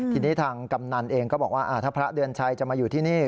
ทีนี้ทางกำนันเองก็บอกว่าถ้าพระเดือนชัยจะมาอยู่ที่นี่